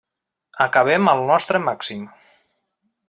Acabem al nostre màxim.